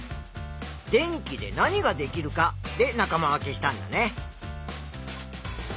「電気で何ができるか」で仲間分けしたんだね。